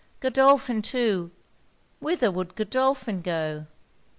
Godolphin too! whither would Godolphin go?